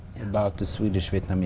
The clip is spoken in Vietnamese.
các bệnh viện